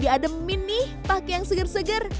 diademin nih pakai yang seger seger